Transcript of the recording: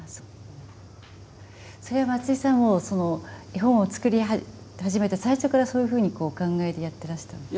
それは松居さんはもう絵本を作り始めた最初からそういうふうにお考えでやってらしたんですか？